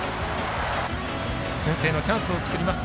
先制のチャンスを作ります